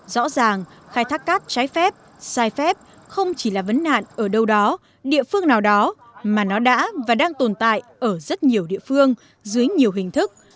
rõ ràng khai thác cát trái phép sai phép không chỉ là vấn nạn ở đâu đó địa phương nào đó mà nó đã và đang tồn tại ở rất nhiều địa phương dưới nhiều hình thức